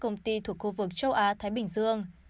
công ty thuộc khu vực châu á thái bình dương